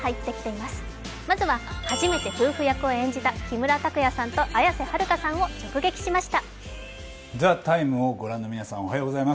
まずは初めて夫婦役を演じた木村拓哉さんと綾瀬はるかさんを直撃しました。